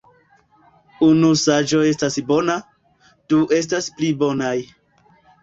Unu saĝo estas bona, du estas pli bonaj.